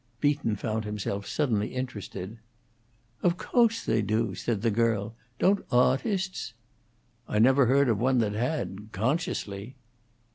Beaton found himself suddenly interested. "Of co'se they do," answered the girl. "Don't awtusts?" "I never heard of one that had consciously."